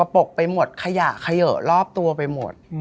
เก็บสกปรกไปหมดขยะเขย่อรอบตัวไปหมด